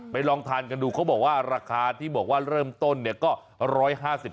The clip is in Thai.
ลองทานกันดูเขาบอกว่าราคาที่บอกว่าเริ่มต้นเนี่ยก็๑๕๐บาท